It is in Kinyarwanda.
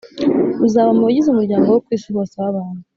Uzaba mu bagize umuryango wo ku isi hose w abantu